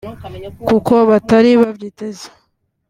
kuko batari babyiteze